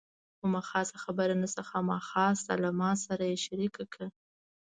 کومه خاصه خبره نشته، خامخا شته له ما سره یې شریکه کړه.